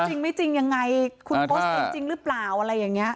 จริงไม่จริงยังไงคุณโพสต์จริงหรือเปล่าอะไรอย่างนี้